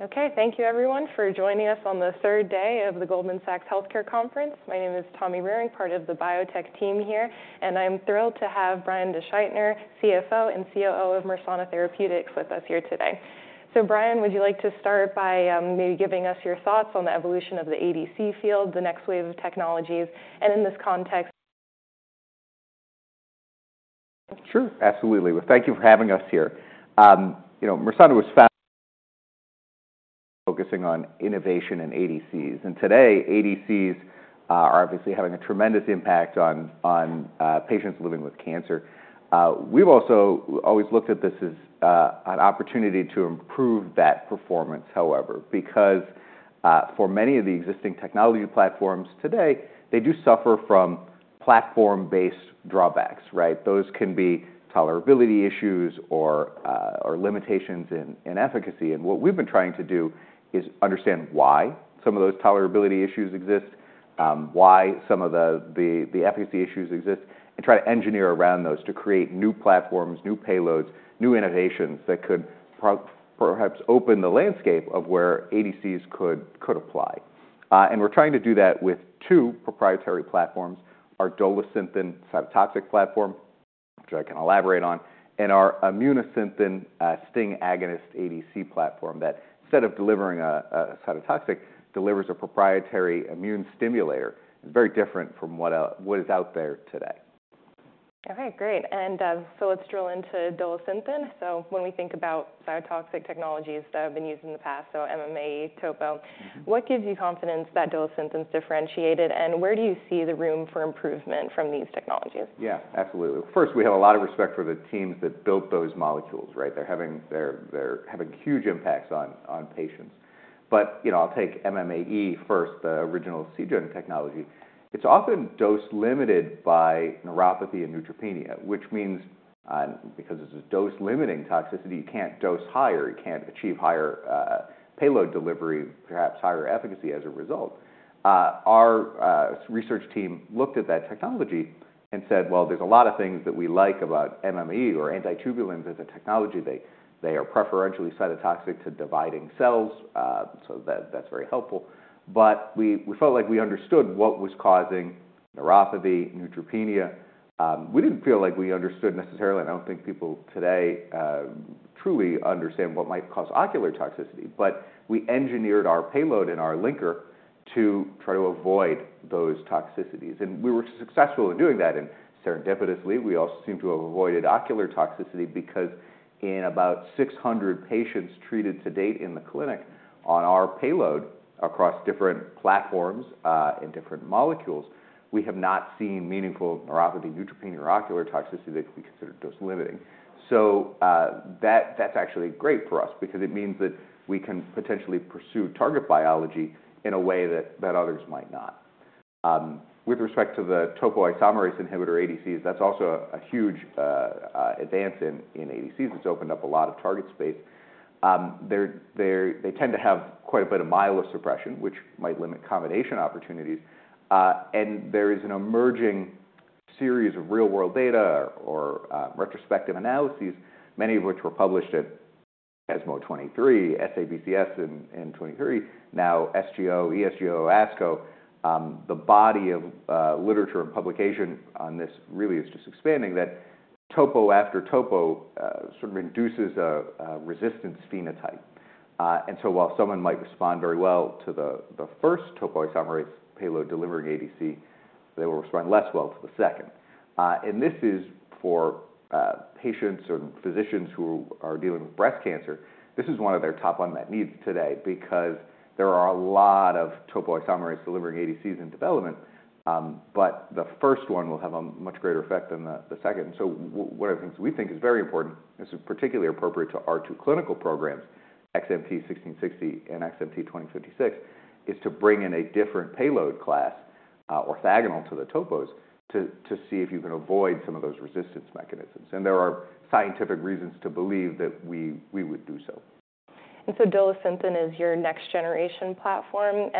Okay, thank you, everyone, for joining us on the third day of the Goldman Sachs Healthcare Conference. My name is Tommy Rering, part of the biotech team here, and I'm thrilled to have Brian DeSchuytner, CFO and COO of Mersana Therapeutics, with us here today. So Brian, would you like to start by maybe giving us your thoughts on the evolution of the ADC field, the next wave of technologies, and in this context? Sure, absolutely. Well, thank you for having us here. You know, Mersana was founded focusing on innovation and ADCs. And today, ADCs are obviously having a tremendous impact on patients living with cancer. We've also always looked at this as an opportunity to improve that performance, however, because for many of the existing technology platforms today, they do suffer from platform-based drawbacks, right? Those can be tolerability issues or limitations in efficacy. And what we've been trying to do is understand why some of those tolerability issues exist, why some of the efficacy issues exist, and try to engineer around those to create new platforms, new payloads, new innovations that could perhaps open the landscape of where ADCs could apply. We're trying to do that with two proprietary platforms: our Dolasynthen cytotoxic platform, which I can elaborate on, and our Immunosynthen STING agonist ADC platform that, instead of delivering a cytotoxic, delivers a proprietary immune stimulator. It's very different from what is out there today. Okay, great. And so let's drill into Dolasynthen. So when we think about cytotoxic technologies that have been used in the past, so MMA, topo, what gives you confidence that Dolasynthen is differentiated? And where do you see the room for improvement from these technologies? Yeah, absolutely. First, we have a lot of respect for the teams that built those molecules, right? They're having huge impacts on patients. But I'll take MMAE first, the original Seattle Genetics technology. It's often dose-limited by neuropathy and neutropenia, which means because this is dose-limiting toxicity, you can't dose higher. You can't achieve higher payload delivery, perhaps higher efficacy as a result. Our research team looked at that technology and said, well, there's a lot of things that we like about MMAE or antitubulin as a technology. They are preferentially cytotoxic to dividing cells, so that's very helpful. But we felt like we understood what was causing neuropathy, neutropenia. We didn't feel like we understood necessarily. I don't think people today truly understand what might cause ocular toxicity. But we engineered our payload and our linker to try to avoid those toxicities. And we were successful in doing that. Serendipitously, we also seem to have avoided ocular toxicity because in about 600 patients treated to date in the clinic on our payload across different platforms and different molecules, we have not seen meaningful neuropathy, neutropenia, or ocular toxicity that we consider dose-limiting. So that's actually great for us because it means that we can potentially pursue target biology in a way that others might not. With respect to the topoisomerase inhibitor ADCs, that's also a huge advance in ADCs. It's opened up a lot of target space. They tend to have quite a bit of myelosuppression, which might limit combination opportunities. And there is an emerging series of real-world data or retrospective analyses, many of which were published at ESMO 2023, SABCS in 2023, now SGO, ESGO, ASCO. The body of literature and publication on this really is just expanding that topo after topo sort of induces a resistance phenotype. And so while someone might respond very well to the first topoisomerase payload delivering ADC, they will respond less well to the second. And this is for patients and physicians who are dealing with breast cancer. This is one of their top unmet needs today because there are a lot of topoisomerase delivering ADCs in development, but the first one will have a much greater effect than the second. And so one of the things we think is very important and is particularly appropriate to our two clinical programs, XMT-1660 and XMT-2056, is to bring in a different payload class orthogonal to the topos to see if you can avoid some of those resistance mechanisms. There are scientific reasons to believe that we would do so. Dolasynthen is your next generation platform.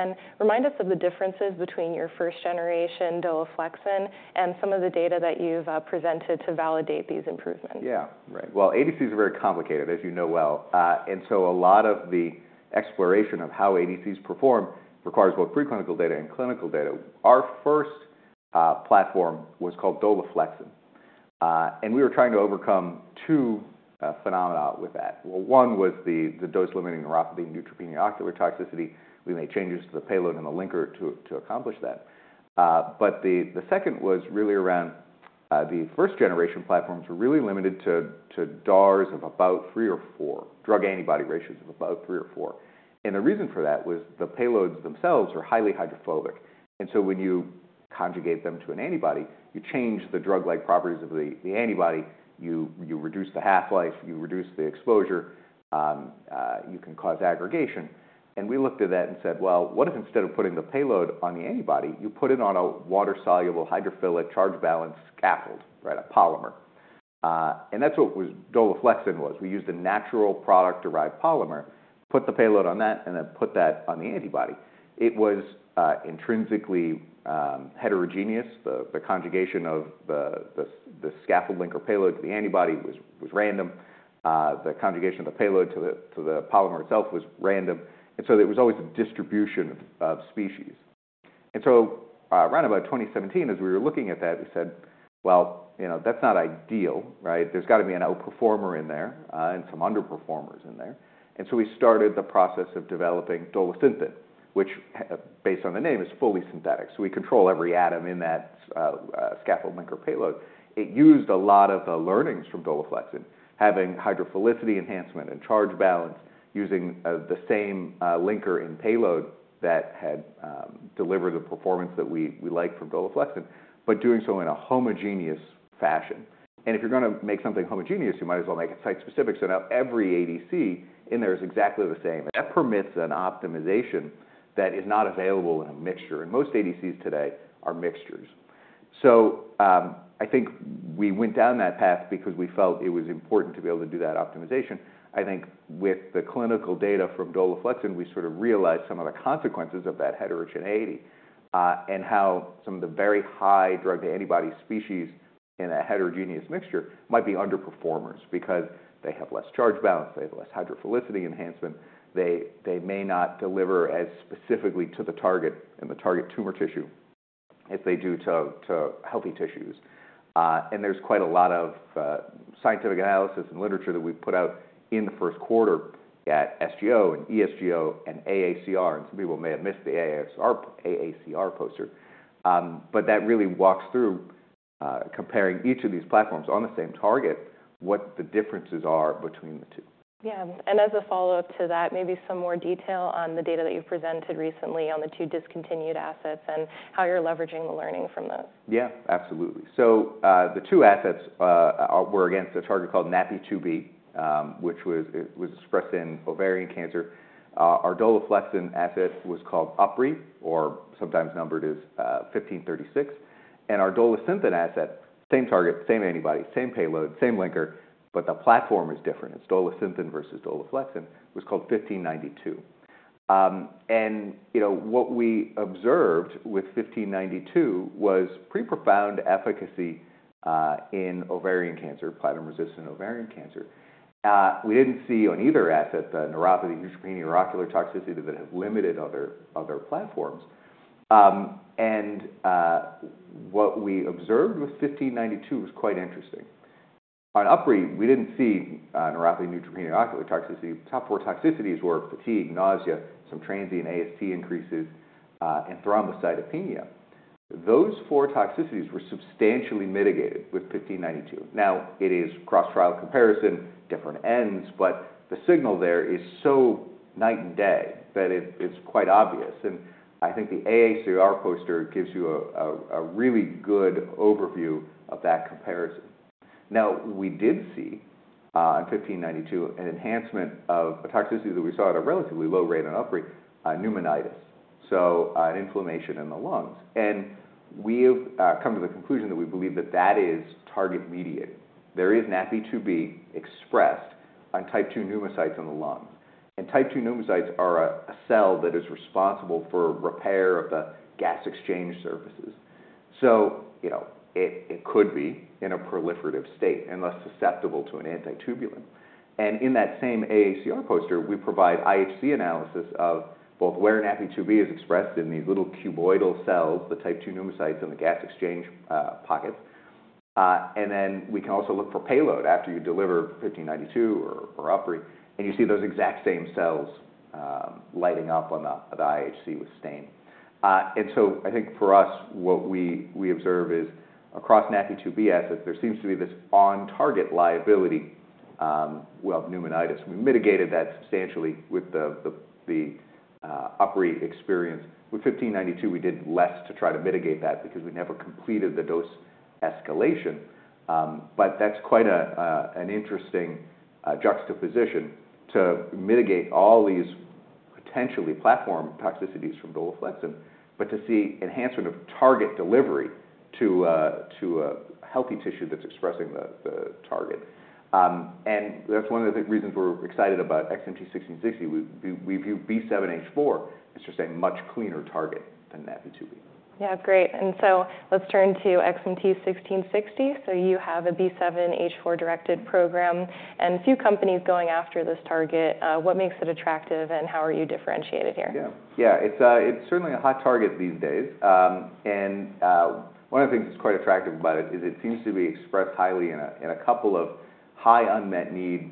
Remind us of the differences between your first generation Dolaflexin and some of the data that you've presented to validate these improvements. Yeah, right. Well, ADCs are very complicated, as you know well. And so a lot of the exploration of how ADCs perform requires both preclinical data and clinical data. Our first platform was called Dolaflexin. And we were trying to overcome two phenomena with that. Well, one was the dose-limiting neuropathy and neutropenia ocular toxicity. We made changes to the payload and the linker to accomplish that. But the second was really around the first generation platforms were really limited to DARs of about 3 or 4, drug antibody ratios of about 3 or 4. And the reason for that was the payloads themselves are highly hydrophobic. And so when you conjugate them to an antibody, you change the drug-like properties of the antibody. You reduce the half-life. You reduce the exposure. You can cause aggregation. We looked at that and said, well, what if instead of putting the payload on the antibody, you put it on a water-soluble hydrophilic charge-balanced scaffold, right, a polymer? And that's what Dolaflexin was. We used a natural product-derived polymer, put the payload on that, and then put that on the antibody. It was intrinsically heterogeneous. The conjugation of the scaffold linker payload to the antibody was random. The conjugation of the payload to the polymer itself was random. And so there was always a distribution of species. And so around about 2017, as we were looking at that, we said, well, you know, that's not ideal, right? There's got to be an outperformer in there and some underperformers in there. And so we started the process of developing Dolasynthen, which, based on the name, is fully synthetic. So we control every atom in that scaffold linker payload. It used a lot of the learnings from Dolaflexin, having hydrophilicity enhancement and charge balance using the same linker and payload that had delivered the performance that we like from Dolaflexin, but doing so in a homogeneous fashion. If you're going to make something homogeneous, you might as well make it site-specific. So now every ADC in there is exactly the same. That permits an optimization that is not available in a mixture. Most ADCs today are mixtures. I think we went down that path because we felt it was important to be able to do that optimization. I think with the clinical data from Dolaflexin, we sort of realized some of the consequences of that heterogeneity and how some of the very high drug-to-antibody species in a heterogeneous mixture might be underperformers because they have less charge balance. They have less hydrophilicity enhancement. They may not deliver as specifically to the target and the target tumor tissue as they do to healthy tissues. And there's quite a lot of scientific analysis and literature that we put out in the first quarter at SGO and ESGO and AACR. And some people may have missed the AACR poster. But that really walks through comparing each of these platforms on the same target, what the differences are between the two. Yeah. As a follow-up to that, maybe some more detail on the data that you've presented recently on the two discontinued assets and how you're leveraging the learning from those. Yeah, absolutely. So the two assets were against a target called NaPi2b, which was expressed in ovarian cancer. Our Dolaflexin asset was called UpRi, or sometimes numbered as 1536. And our Dolasynthen asset, same target, same antibody, same payload, same linker, but the platform is different. It's Dolasynthen versus Dolaflexin. It was called 1592. And what we observed with 1592 was pretty profound efficacy in ovarian cancer, platinum-resistant ovarian cancer. We didn't see on either asset the neuropathy, neutropenia, or ocular toxicity that have limited other platforms. And what we observed with 1592 was quite interesting. On UpRi, we didn't see neuropathy, neutropenia, or ocular toxicity. Top four toxicities were fatigue, nausea, some transient AST increases, and thrombocytopenia. Those four toxicities were substantially mitigated with 1592. Now, it is cross-trial comparison, different ends, but the signal there is so night and day that it's quite obvious. And I think the AACR poster gives you a really good overview of that comparison. Now, we did see on 1592 an enhancement of a toxicity that we saw at a relatively low rate on UpRi, pneumonitis, so an inflammation in the lungs. And we have come to the conclusion that we believe that that is target-mediated. There is NaPi2b expressed on type II pneumocytes in the lungs. And type II pneumocytes are a cell that is responsible for repair of the gas exchange surfaces. So it could be in a proliferative state and less susceptible to an antitubulin. And in that same AACR poster, we provide IHC analysis of both where NaPi2b is expressed in these little cuboidal cells, the type II pneumocytes and the gas exchange pockets. And then we can also look for payload after you deliver 1592 or UpRi. You see those exact same cells lighting up on the IHC with stain. So I think for us, what we observe is across NaPi2b assets, there seems to be this on-target liability of pneumonitis. We mitigated that substantially with the UpRi experience. With 1592, we did less to try to mitigate that because we never completed the dose escalation. But that's quite an interesting juxtaposition to mitigate all these potentially platform toxicities from Dolaflexin, but to see enhancement of target delivery to a healthy tissue that's expressing the target. And that's one of the reasons we're excited about XMT-1660. We view B7-H4 as just a much cleaner target than NaPi2b. Yeah, great. And so let's turn to XMT-1660. So you have a B7-H4-directed program and a few companies going after this target. What makes it attractive and how are you differentiated here? Yeah, yeah, it's certainly a hot target these days. And one of the things that's quite attractive about it is it seems to be expressed highly in a couple of high unmet need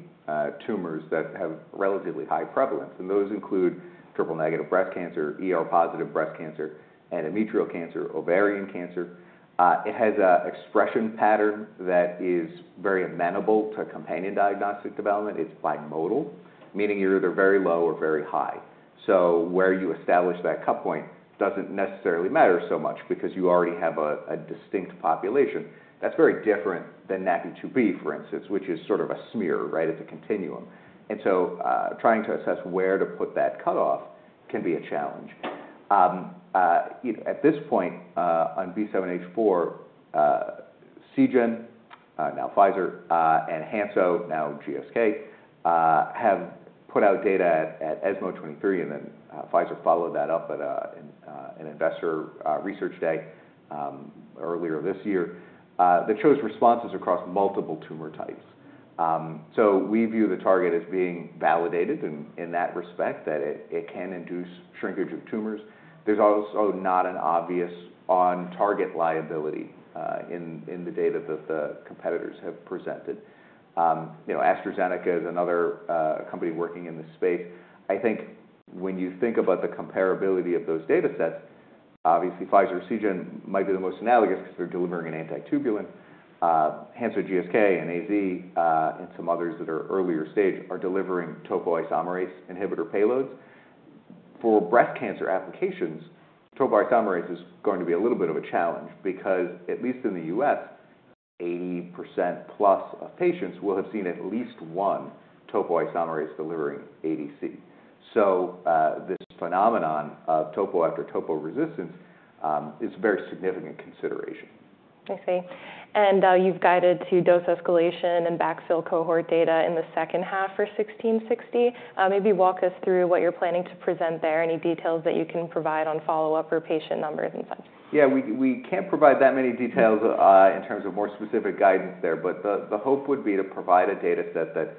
tumors that have relatively high prevalence. And those include triple-negative breast cancer, ER-positive breast cancer, endometrial cancer, ovarian cancer. It has an expression pattern that is very amenable to companion diagnostic development. It's bimodal, meaning you're either very low or very high. So where you establish that cut point doesn't necessarily matter so much because you already have a distinct population. That's very different than NaPi2b, for instance, which is sort of a smear, right? It's a continuum. And so trying to assess where to put that cutoff can be a challenge. At this point, on B7-H4, Seagen, now Pfizer, and Hansoh, now GSK, have put out data at ESMO 2023. Then Pfizer followed that up at an investor research day earlier this year that shows responses across multiple tumor types. So we view the target as being validated in that respect, that it can induce shrinkage of tumors. There's also not an obvious on-target liability in the data that the competitors have presented. AstraZeneca is another company working in this space. I think when you think about the comparability of those data sets, obviously Pfizer or Seagen might be the most analogous because they're delivering an antitubulin. Hansoh, GSK, and AZ, and some others that are earlier stage, are delivering topoisomerase inhibitor payloads. For breast cancer applications, topoisomerase is going to be a little bit of a challenge because, at least in the U.S., 80%+ of patients will have seen at least one topoisomerase delivering ADC. This phenomenon of topo after topo resistance is a very significant consideration. I see. You've guided to dose escalation and backfill cohort data in the second half for 1660. Maybe walk us through what you're planning to present there, any details that you can provide on follow-up or patient numbers and such? Yeah, we can't provide that many details in terms of more specific guidance there. But the hope would be to provide a data set that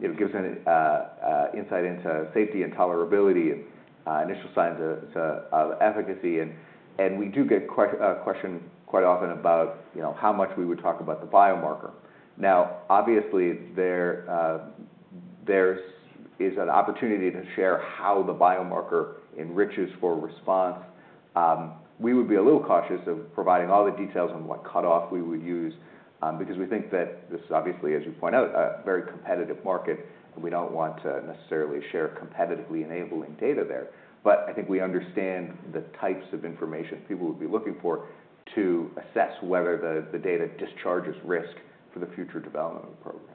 gives an insight into safety and tolerability and initial signs of efficacy. And we do get questioned quite often about how much we would talk about the biomarker. Now, obviously, there is an opportunity to share how the biomarker enriches for response. We would be a little cautious of providing all the details on what cutoff we would use because we think that this is obviously, as you point out, a very competitive market. And we don't want to necessarily share competitively enabling data there. But I think we understand the types of information people would be looking for to assess whether the data discharges risk for the future development of the program.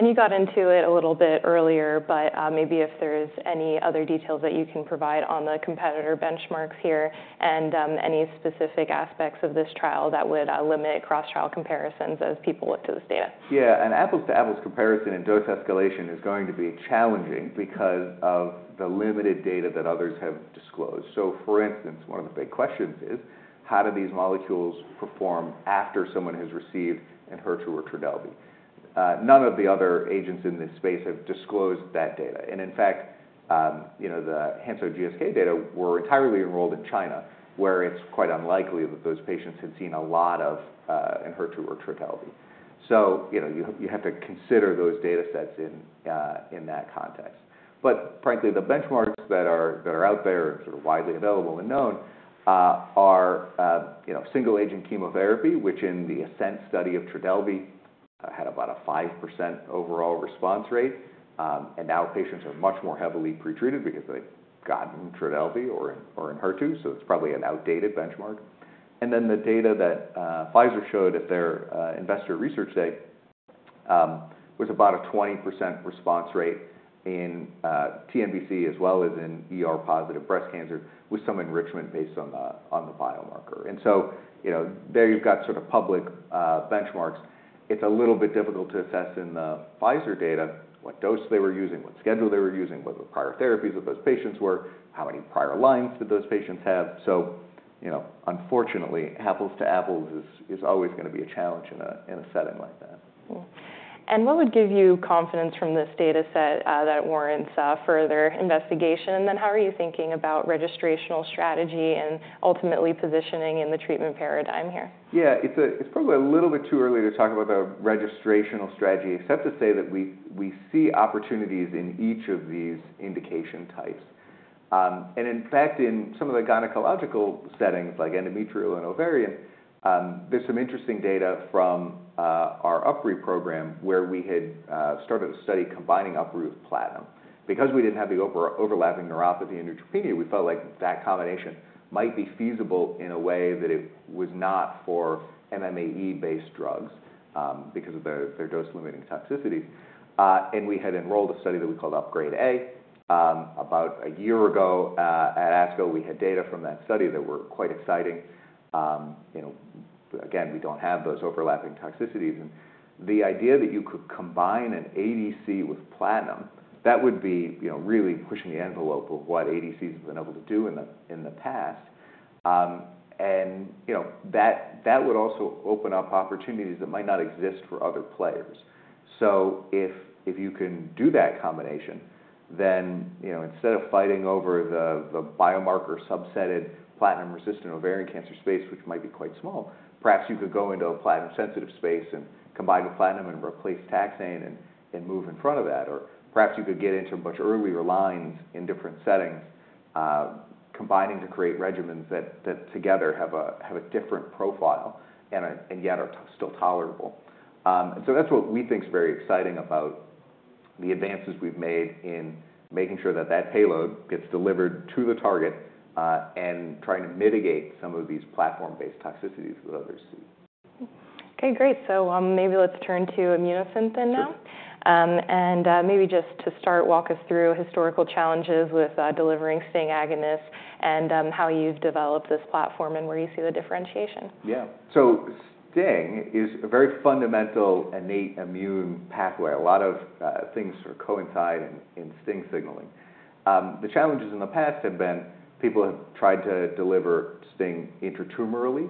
You got into it a little bit earlier, but maybe if there's any other details that you can provide on the competitor benchmarks here and any specific aspects of this trial that would limit cross-trial comparisons as people look to this data. Yeah, an apples-to-apples comparison and dose escalation is going to be challenging because of the limited data that others have disclosed. So, for instance, one of the big questions is, how do these molecules perform after someone has received Enhertu or Trodelvy? None of the other agents in this space have disclosed that data. And in fact, the Hansoh GSK data were entirely enrolled in China, where it's quite unlikely that those patients had seen a lot of Enhertu or Trodelvy. So you have to consider those data sets in that context. But frankly, the benchmarks that are out there and sort of widely available and known are single-agent chemotherapy, which in the ASCENT study of Trodelvy had about a 5% overall response rate. And now patients are much more heavily pretreated because they've gotten Trodelvy or Enhertu, so it's probably an outdated benchmark. Then the data that Pfizer showed at their investor research day was about a 20% response rate in TNBC as well as in ER-positive breast cancer, with some enrichment based on the biomarker. So there you've got sort of public benchmarks. It's a little bit difficult to assess in the Pfizer data what dose they were using, what schedule they were using, what the prior therapies of those patients were, how many prior lines did those patients have. So, unfortunately, apples-to-apples is always going to be a challenge in a setting like that. What would give you confidence from this data set that warrants further investigation? And then how are you thinking about registrational strategy and ultimately positioning in the treatment paradigm here? Yeah, it's probably a little bit too early to talk about the registrational strategy, except to say that we see opportunities in each of these indication types. And in fact, in some of the gynecological settings, like endometrial and ovarian, there's some interesting data from our UpRi program where we had started a study combining UpRi with platinum. Because we didn't have the overlapping neuropathy and neutropenia, we felt like that combination might be feasible in a way that it was not for MMAE-based drugs because of their dose-limiting toxicity. And we had enrolled a study that we called UPGRADE-A. About a year ago at ASCO, we had data from that study that were quite exciting. Again, we don't have those overlapping toxicities. The idea that you could combine an ADC with platinum, that would be really pushing the envelope of what ADCs have been able to do in the past. That would also open up opportunities that might not exist for other players. If you can do that combination, then instead of fighting over the biomarker-subsetted platinum-resistant ovarian cancer space, which might be quite small, perhaps you could go into a platinum-sensitive space and combine with platinum and replace taxane and move in front of that. Or perhaps you could get into much earlier lines in different settings, combining to create regimens that together have a different profile and yet are still tolerable. And so that's what we think is very exciting about the advances we've made in making sure that that payload gets delivered to the target and trying to mitigate some of these platform-based toxicities that others see. Okay, great. So maybe let's turn to Immunosynthen then now. And maybe just to start, walk us through historical challenges with delivering STING agonists and how you've developed this platform and where you see the differentiation. Yeah, so STING is a very fundamental innate immune pathway. A lot of things sort of coincide in STING signaling. The challenges in the past have been people have tried to deliver STING intra-tumorally,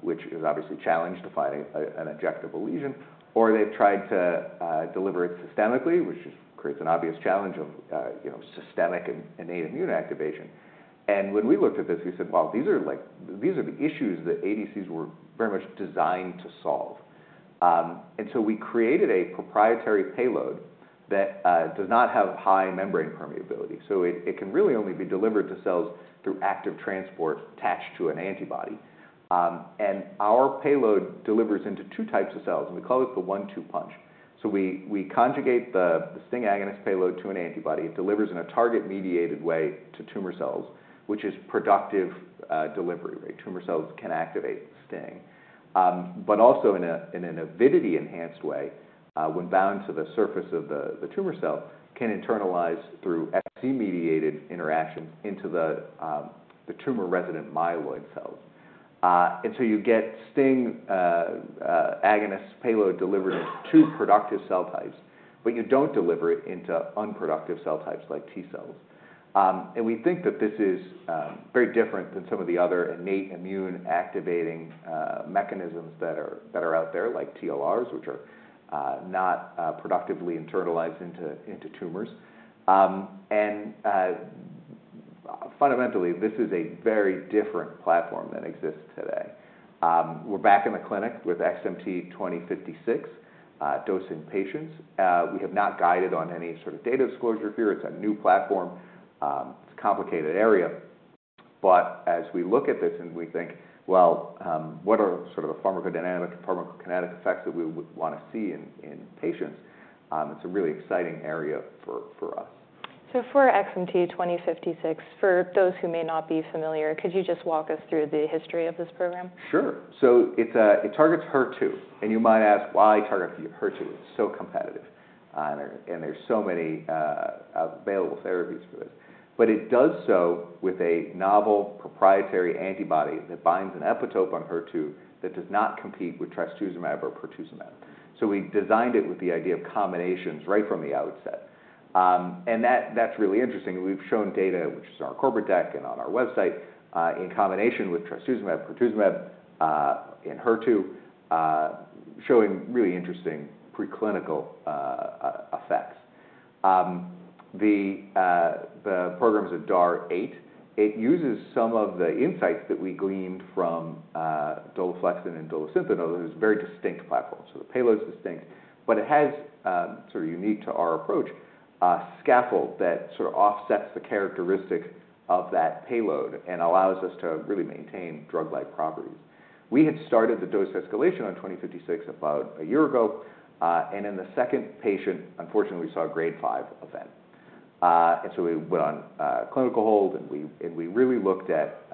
which is obviously challenged to find an injectable lesion. Or they've tried to deliver it systemically, which creates an obvious challenge of systemic innate immune activation. And when we looked at this, we said, well, these are the issues that ADCs were very much designed to solve. And so we created a proprietary payload that does not have high membrane permeability. So it can really only be delivered to cells through active transport attached to an antibody. And our payload delivers into two types of cells. And we call this the one-two punch. So we conjugate the STING agonist payload to an antibody. It delivers in a target-mediated way to tumor cells, which is productive delivery. Tumor cells can activate STING, but also in an avidity-enhanced way, when bound to the surface of the tumor cell, can internalize through Fc-mediated interactions into the tumor-resident myeloid cells. And so you get STING agonist payload delivered into two productive cell types, but you don't deliver it into unproductive cell types like T cells. We think that this is very different than some of the other innate immune activating mechanisms that are out there, like TLRs, which are not productively internalized into tumors. Fundamentally, this is a very different platform than exists today. We're back in the clinic with XMT-2056 dose in patients. We have not guided on any sort of data disclosure here. It's a new platform. It's a complicated area. But as we look at this and we think, well, what are sort of the pharmacodynamic and pharmacokinetic effects that we would want to see in patients, it's a really exciting area for us. So for XMT-2056, for those who may not be familiar, could you just walk us through the history of this program? Sure. So it targets HER2. And you might ask, why target HER2? It's so competitive. And there's so many available therapies for this. But it does so with a novel proprietary antibody that binds an epitope on HER2 that does not compete with trastuzumab or pertuzumab. So we designed it with the idea of combinations right from the outset. And that's really interesting. We've shown data, which is in our corporate deck and on our website, in combination with trastuzumab, pertuzumab, and HER2, showing really interesting preclinical effects. The program is a DAR8. It uses some of the insights that we gleaned from Dolaflexin and Dolasynthen, although it's a very distinct platform. So the payload's distinct, but it has sort of unique to our approach a scaffold that sort of offsets the characteristic of that payload and allows us to really maintain drug-like properties. We had started the dose escalation on 2056 about a year ago. In the second patient, unfortunately, we saw a grade 5 event. So we went on clinical hold. We really looked at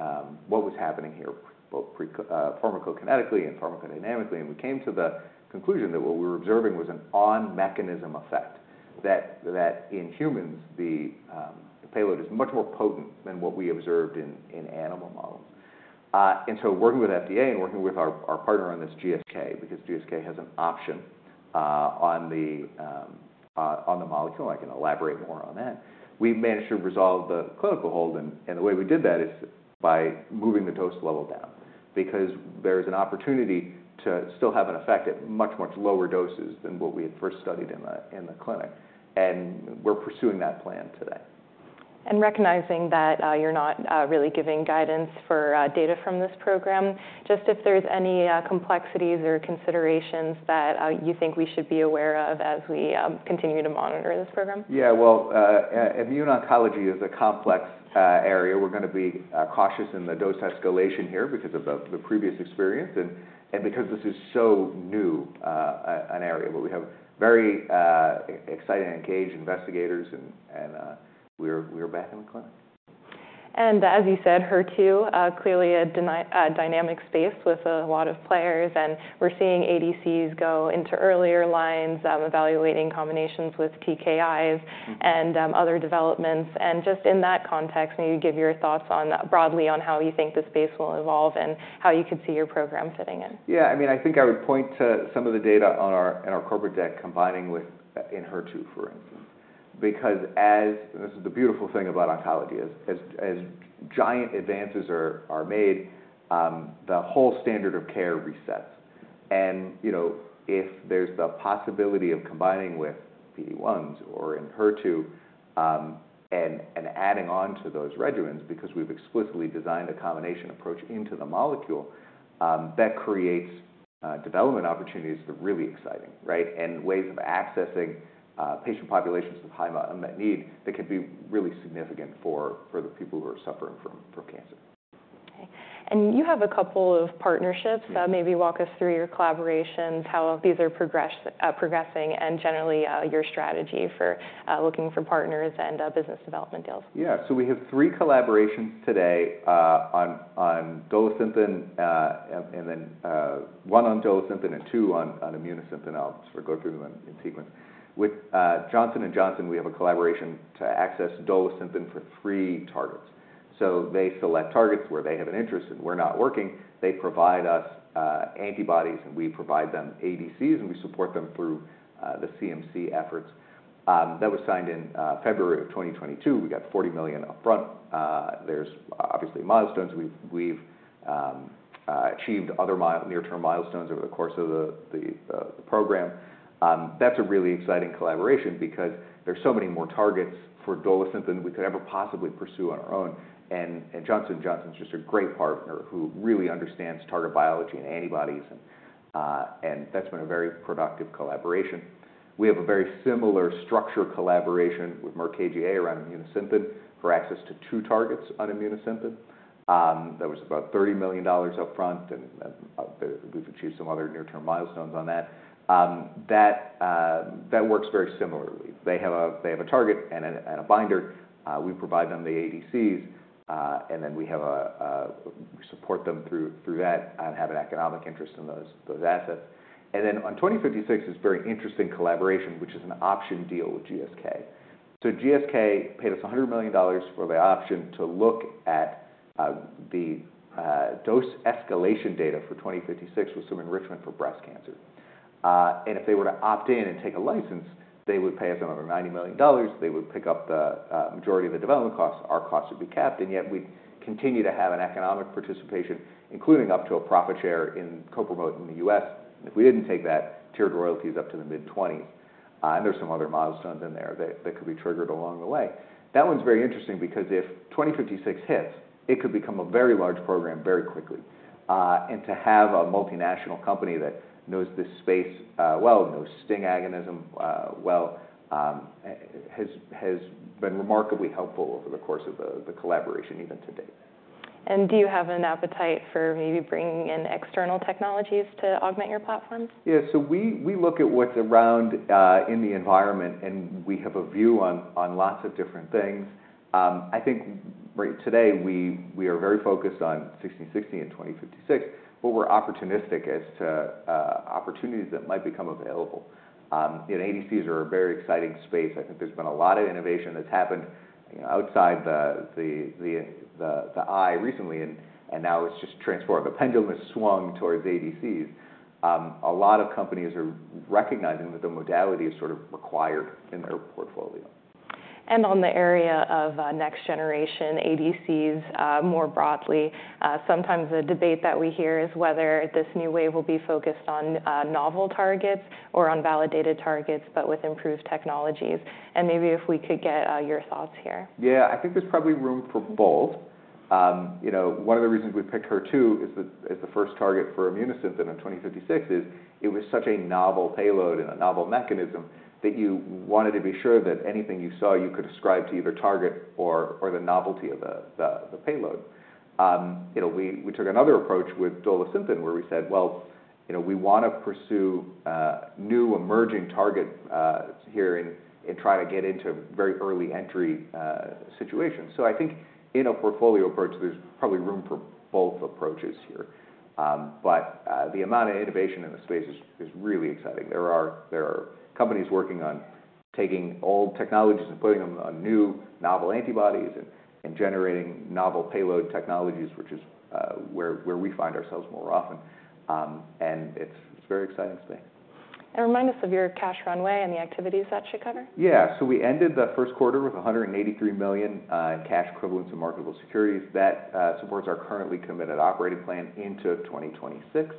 what was happening here, both pharmacokinetically and pharmacodynamically. We came to the conclusion that what we were observing was an on-mechanism effect, that in humans, the payload is much more potent than what we observed in animal models. Working with FDA and working with our partner on this GSK, because GSK has an option on the molecule, I can elaborate more on that, we managed to resolve the clinical hold. The way we did that is by moving the dose level down, because there is an opportunity to still have an effect at much, much lower doses than what we had first studied in the clinic. We're pursuing that plan today. Recognizing that you're not really giving guidance for data from this program, just if there's any complexities or considerations that you think we should be aware of as we continue to monitor this program? Yeah, well, immune oncology is a complex area. We're going to be cautious in the dose escalation here because of the previous experience and because this is so new an area. We have very excited and engaged investigators. We are back in the clinic. As you said, HER2, clearly a dynamic space with a lot of players. We're seeing ADCs go into earlier lines, evaluating combinations with TKIs and other developments. Just in that context, maybe give your thoughts broadly on how you think the space will evolve and how you could see your program fitting in. Yeah, I mean, I think I would point to some of the data in our corporate deck combining with HER2, for instance. Because this is the beautiful thing about oncology. As giant advances are made, the whole standard of care resets. And if there's the possibility of combining with PD-1s or Enhertu and adding on to those regimens, because we've explicitly designed a combination approach into the molecule, that creates development opportunities that are really exciting, right, and ways of accessing patient populations with high unmet need that could be really significant for the people who are suffering from cancer. Okay. You have a couple of partnerships. Maybe walk us through your collaborations, how these are progressing, and generally your strategy for looking for partners and business development deals? Yeah, so we have three collaborations today on Dolasynthen, and then one on Dolasynthen and two on Immunosynthen. I'll sort of go through them in sequence. With Johnson & Johnson, we have a collaboration to access Dolasynthen for three targets. So they select targets where they have an interest, and we're not working. They provide us antibodies, and we provide them ADCs, and we support them through the CMC efforts. That was signed in February of 2022. We got $40 million upfront. There's obviously milestones. We've achieved other near-term milestones over the course of the program. That's a really exciting collaboration because there's so many more targets for Dolasynthen than we could ever possibly pursue on our own. And Johnson & Johnson is just a great partner who really understands target biology and antibodies. And that's been a very productive collaboration. We have a very similar structure collaboration with Merck KGaA around Immunosynthen for access to two targets on Immunosynthen. That was about $30 million upfront. And we've achieved some other near-term milestones on that. That works very similarly. They have a target and a binder. We provide them the ADCs. And then we support them through that and have an economic interest in those assets. And then on 2056, this very interesting collaboration, which is an option deal with GSK. So GSK paid us $100 million for the option to look at the dose escalation data for 2056 with some enrichment for breast cancer. And if they were to opt in and take a license, they would pay us another $90 million. They would pick up the majority of the development costs. Our costs would be capped. Yet we'd continue to have an economic participation, including up to a profit share in co-promote in the U.S. If we didn't take that, tiered royalties up to the mid-20s%. There's some other milestones in there that could be triggered along the way. That one's very interesting because if 2056 hits, it could become a very large program very quickly. To have a multinational company that knows this space well, knows STING agonism well, has been remarkably helpful over the course of the collaboration even to date. Do you have an appetite for maybe bringing in external technologies to augment your platforms? Yeah, so we look at what's around in the environment. We have a view on lots of different things. I think today we are very focused on 1660 and 2056, but we're opportunistic as to opportunities that might become available. ADCs are a very exciting space. I think there's been a lot of innovation that's happened outside the US recently. Now it's just transformed. The pendulum has swung towards ADCs. A lot of companies are recognizing that the modality is sort of required in their portfolio. On the area of next generation ADCs more broadly, sometimes the debate that we hear is whether this new wave will be focused on novel targets or on validated targets, but with improved technologies. Maybe if we could get your thoughts here. Yeah, I think there's probably room for both. One of the reasons we picked HER2 as the first target for Immunosynthen XMT-2056 is it was such a novel payload and a novel mechanism that you wanted to be sure that anything you saw, you could ascribe to either target or the novelty of the payload. We took another approach with Dolasynthen, where we said, well, we want to pursue new emerging targets here and try to get into very early entry situations. So I think in a portfolio approach, there's probably room for both approaches here. But the amount of innovation in the space is really exciting. There are companies working on taking old technologies and putting them on new novel antibodies and generating novel payload technologies, which is where we find ourselves more often. And it's a very exciting space. Remind us of your cash runway and the activities that should cover. Yeah, so we ended the first quarter with $183 million in cash equivalents and marketable securities. That supports our currently committed operating plan into 2026.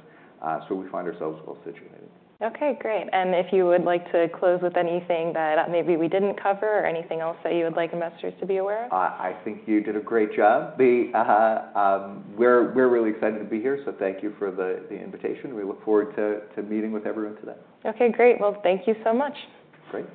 So we find ourselves well situated. Okay, great. And if you would like to close with anything that maybe we didn't cover or anything else that you would like investors to be aware of? I think you did a great job. We're really excited to be here. So thank you for the invitation. We look forward to meeting with everyone today. Okay, great. Well, thank you so much. Great.